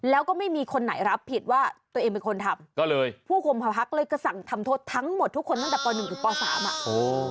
แล้วก็ไม่มีคนไหนรับผิดว่าตัวเองเป็นคนทำก็เลยผู้คุมพักเลยก็สั่งทำโทษทั้งหมดทุกคนตั้งแต่ป๑ถึงปสามอ่ะโอ้